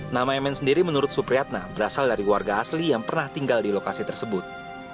nama mn sendiri menurut supriyatna berasal dari warga asli yang pernah tinggal di lokasi tersebut